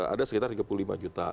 ada sekitar tiga puluh lima juta